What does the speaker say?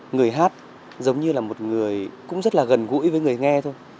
người hát giống như là một người cũng rất là gần gũi với người nghe thôi